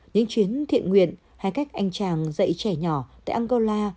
những chuyến thiện nguyện hay cách anh chàng dậy trẻ nhỏ tại angola